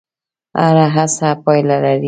هره هڅه پایله لري.